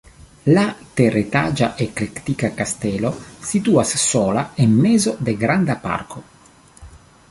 La teretaĝa eklektika kastelo situas sola en mezo de granda parko.